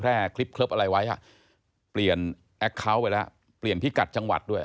ไปแล้วเขาก็เปลี่ยนชุมการที่กัดจังหวัด